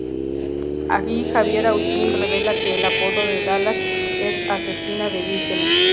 Ahí Xavier Austin revela que el apodo de Dallas es "asesina de vírgenes".